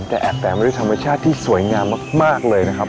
แต่แอบแปลมาด้วยธรรมชาติที่สวยงามมากเลยนะครับ